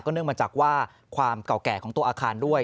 เนื่องมาจากว่าความเก่าแก่ของตัวอาคารด้วย